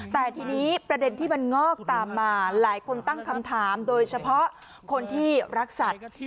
แต่ทีนี้ประเด็นที่มันงอกตามมาหลายคนตั้งคำถามโดยเฉพาะคนที่รักสัตว์